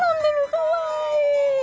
かわいい！